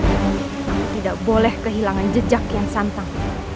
aku tidak boleh kehilangan jejak kian santang